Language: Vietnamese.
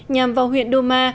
nhằm vào huyện duma